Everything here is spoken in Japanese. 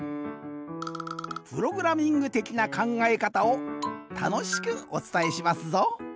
プログラミングてきなかんがえかたをたのしくおつたえしますぞ。